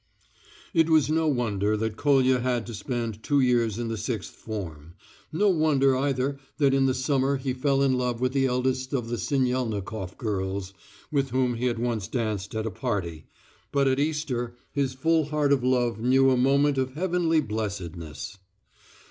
It was no wonder that Kolya had to spend two years in the sixth form; no wonder either that in the summer he fell in love with the eldest of the Sinyelnikof girls, with whom he had once danced at a party.... But at Easter his full heart of love knew a moment of heavenly blessedness.